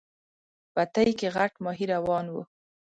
بتۍ کې غټ ماهی روان و.